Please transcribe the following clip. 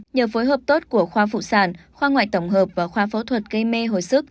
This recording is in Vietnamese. nhờ phối hợp tốt của khoa phụ sản khoa ngoại tổng hợp và khoa phẫu thuật gây mê hồi sức